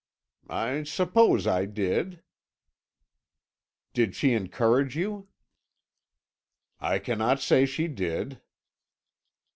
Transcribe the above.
"I suppose I did." "Did she encourage you?" "I cannot say she did."